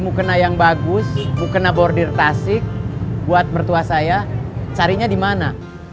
mau kena yang bagus mau kena bordir tasik buat mertua saya carinya di mana